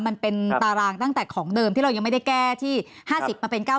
มันเป็นตารางตั้งแต่ของเดิมที่เรายังไม่ได้แก้ที่๕๐มาเป็น๙๙